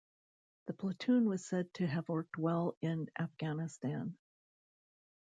'The platoon was said to have worked well in Afghanistan.